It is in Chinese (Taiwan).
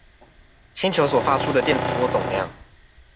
星球所發出的電磁波總量